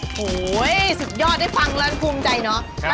โอ้โหสุดยอดได้ฟังแล้วภูมิใจเนอะ